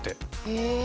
へえ。